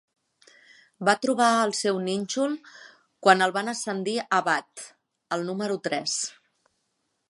Va trobar el seu nínxol quan el van ascendir a bat, al número tres.